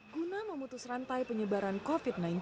guna memutus rantai penyebaran covid sembilan belas